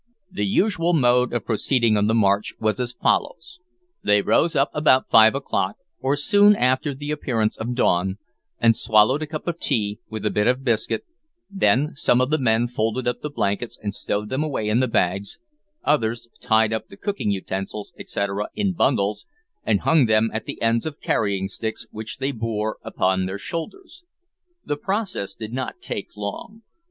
The usual mode of proceeding on the march was as follows: They rose about five o'clock, or soon after the appearance of dawn, and swallowed a cup of tea, with a bit of biscuit, then some of the men folded up the blankets and stowed them away in the bags, others tied up the cooking utensils, etcetera, in bundles, and hung them at the ends of carrying sticks, which they bore upon their shoulders. The process did not take long.